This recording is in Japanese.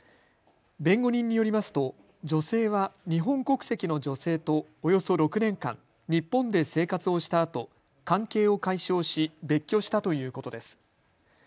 弁護人によりますと女性は日本国籍の女性とおよそ６年間日本で生活をしたあと関係を解消し別居したということです。